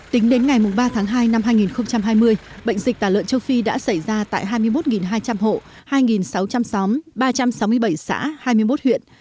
tính đến ngày ba tháng hai năm hai nghìn hai mươi bệnh dịch tả lợn châu phi đã xảy ra tại hai mươi một hai trăm linh hộ hai sáu trăm linh xóm ba trăm sáu mươi bảy xã hai mươi một huyện